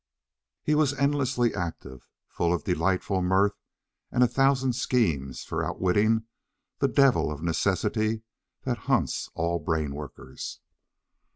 He was endlessly active, full of delightful mirth and a thousand schemes for outwitting the devil of necessity that hunts all brainworkers.